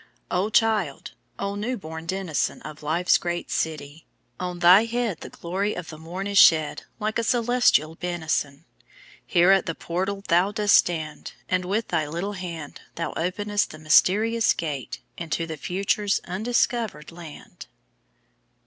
O child! O new born denizen Of life's great city! on thy head The glory of the morn is shed, Like a celestial benison! Here at the portal thou dost stand, And with thy little hand Thou openest the mysterious gate Into the future's undiscovered land.